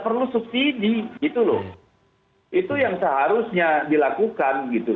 perlu subsidi itu loh itu yang seharusnya dilakukan